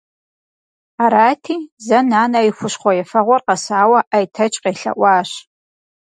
Арати, зэ нанэ и хущхъуэ ефэгъуэр къэсауэ Айтэч къелъэӀуащ.